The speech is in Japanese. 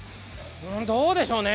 どうでしょうね。